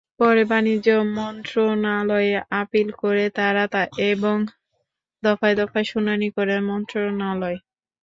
পরে বাণিজ্য মন্ত্রণালয়ে আপিল করে তারা এবং দফায় দফায় শুনানি করে মন্ত্রণালয়।